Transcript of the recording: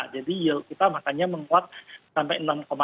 jadi yield kita makanya menguat sampai enam tiga enam empat